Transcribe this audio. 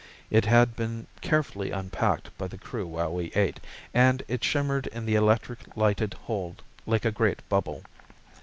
It had been carefully unpacked by the crew while we ate, and it shimmered in the electric lighted hold like a great bubble.